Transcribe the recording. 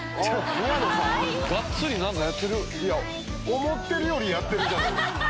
思ってるよりやってるじゃないですか。